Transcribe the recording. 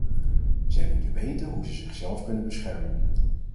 Zij moeten weten hoe ze zichzelf kunnen beschermen.